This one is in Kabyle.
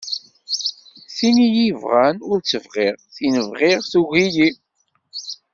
Tin i y-ibɣan ur tt-bɣiɣ, tin bɣiɣ tugi-yi.